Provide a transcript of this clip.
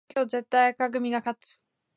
今年絶対紅組が勝つ